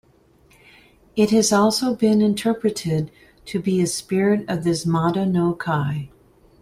It has also been interpreted to be a spirit of this Mada no Ki.